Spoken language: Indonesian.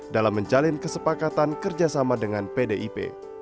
dalam menjalin kesepakatan kerjasama dengan pdip